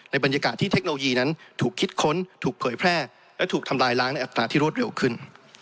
บรรยากาศที่เทคโนโลยีนั้นถูกคิดค้นถูกเผยแพร่และถูกทำลายล้างในอัตราที่รวดเร็วขึ้น